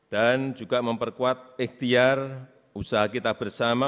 dan juga memperkuat ikhtiar usaha kita bersama